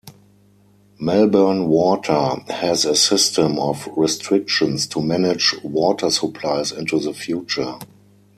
Melbourne Water has a system of restrictions to manage water supplies into the future.